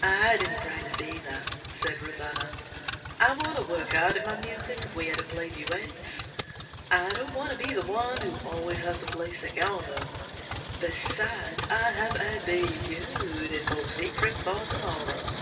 "I didn't practice either," said Rosanna. "I want to work hard at my music if we are to play duets. I don't want to be the one who always has to play secondo. Besides, I have a bee u ti ful secret for to morrow."